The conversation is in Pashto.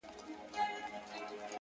دا ځان کي ورک شې بل وجود ته ساه ورکوي”